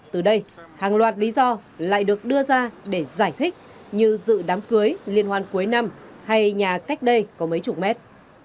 từ đây hàng loạt lý do lại được đưa ra để giải thích như dự đám cưới liên hoan cuối năm hay nhà cách đây có mấy chục mét